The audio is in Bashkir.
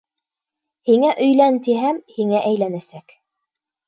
Һиңә өйлән, тиһәм, һиңә әйләнәсәк.